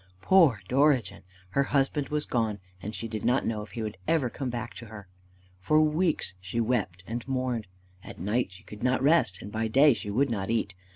Poor Dorigen! her husband was gone, and she did not know if he would ever come back to her. For weeks she wept and mourned. At night she could not rest, and by day she would not eat.